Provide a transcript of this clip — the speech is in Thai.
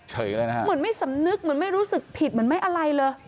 เลยนะฮะเหมือนไม่สำนึกเหมือนไม่รู้สึกผิดเหมือนไม่อะไรเลย